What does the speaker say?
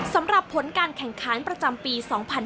สำหรับผลการแข่งขันประจำปี๒๕๕๙